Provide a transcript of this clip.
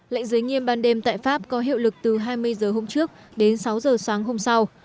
lệnh giới nghiêm ban đêm tại pháp có hiệu lực từ hai mươi giờ hôm trước đến sáu giờ sáng hôm sau